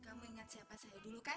kamu ingat siapa saya dulu kan